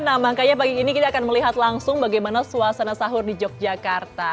nah makanya pagi ini kita akan melihat langsung bagaimana suasana sahur di yogyakarta